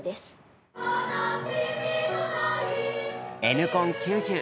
「Ｎコン９０」